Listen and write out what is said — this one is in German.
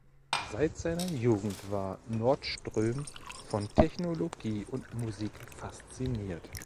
Seit seiner Jugend war Nordström von Technologie und Musik fasziniert.